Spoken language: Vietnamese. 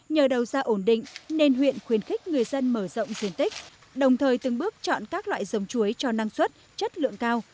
nhờ đầu ra ổn định nên huyện khuyến khích người dân mở rộng diện tích đồng thời từng bước chọn các loại giống chuối cho năng suất chất lượng cao